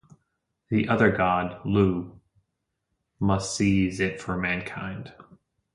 The other god - Lugh - must seize it for mankind.